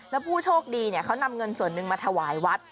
แล้วผู้โชคดีเขานำเงินส่วนหนึ่งมาถวายวัด